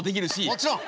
もちろん。